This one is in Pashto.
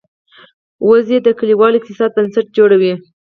وزې د کلیوالو اقتصاد بنسټ جوړوي